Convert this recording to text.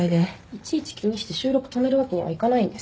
いちいち気にして収録止めるわけにはいかないんです。